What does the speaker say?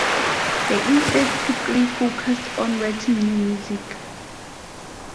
They instead quickly focused on writing new music.